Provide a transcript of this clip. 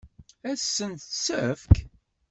Ad sent-tt-tefk?